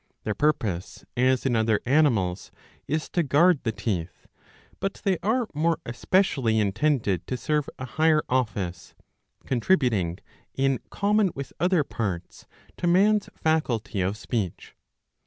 Their purpose, as in other animals, is to guard the teeth, but they are more especially intended to serve a higher office, contributing in common with other parts to man's faculty of speech.